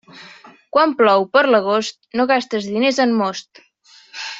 Quan plou per l'agost, no gastes diners en most.